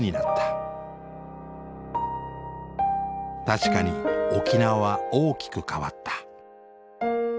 確かに沖縄は大きく変わった。